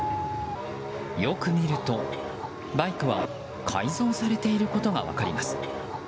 よく見ると、バイクは改造されていることが分かります。